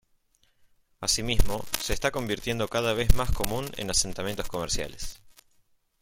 Asimismo, se está convirtiendo cada vez más común en asentamientos comerciales.